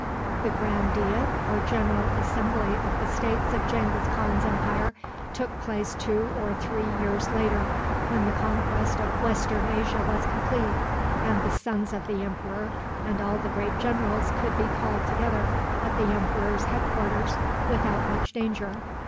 The grand diet or general assembly of the states of Genghis Khan's empire took place two or three years later, when the conquest of Western Asia was complete, and the sons of the emperor and all the great generals could be called together at the emperor's head quarters without much danger.